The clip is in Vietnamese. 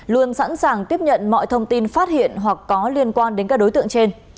luôn sẵn sàng tiếp nhận mọi thông tin phát hiện hoặc có liên quan đến các đối tượng trên